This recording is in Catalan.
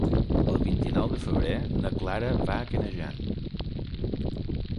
El vint-i-nou de febrer na Clara va a Canejan.